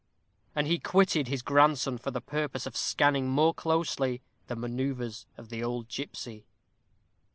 And he quitted his grandson for the purpose of scanning more closely the manœuvres of the old gipsy.